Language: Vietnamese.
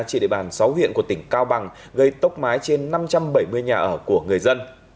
trên địa bàn sáu huyện của tỉnh cao bằng gây tốc mái trên năm trăm bảy mươi nhà ở của người dân